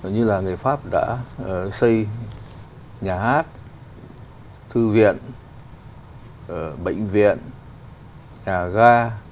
như là người pháp đã xây nhà hát thư viện bệnh viện nhà ga